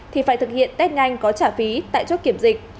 thì phải thực hiện test nhanh có trả phí tại chốt kiểm dịch